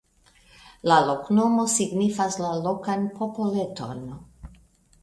La loknomo signifas la lokan popoleton.